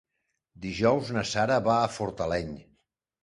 Dijous na Sara va a Fortaleny.